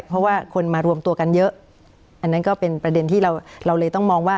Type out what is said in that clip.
เพราะว่าคนมารวมตัวกันเยอะอันนั้นก็เป็นประเด็นที่เราเราเลยต้องมองว่า